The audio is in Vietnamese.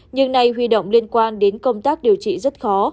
nhưng nay huy động liên quan đến công tác điều trị rất khó